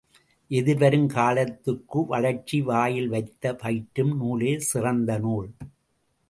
எதிர்வரும் காலத்திற்குவளர்ச்சிக்கு வாயில் வைத்து பயிற்றும் நூலே சிறந்த நூல்!